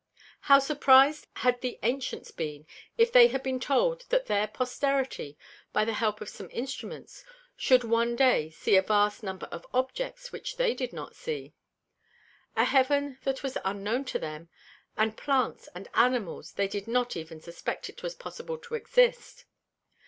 How surpriz'd had the Ancients been, if they had been told that their Posterity, by the help of some Instruments, shou'd one day see a vast number of Objects which they did not see; a Heaven that was unknown to them; and Plants and Animals they did not even suspect it was possible to exist.